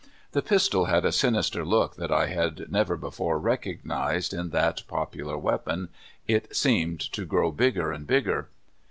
The pistol had a sinister look that I had never before (53) 54 CALIFORNIA SKETCHES. recognized in that popular weapon. It seemed to grow bigger and bigger.